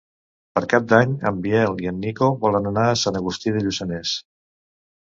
Per Cap d'Any en Biel i en Nico volen anar a Sant Agustí de Lluçanès.